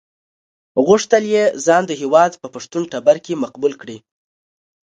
غوښتل یې ځان د هېواد په پښتون ټبر کې مقبول کړي.